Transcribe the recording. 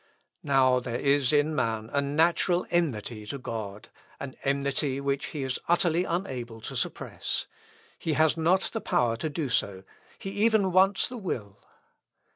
Now there is in man a natural enmity to God an enmity which he is utterly unable to suppress. He has not the power to do so he even wants the will.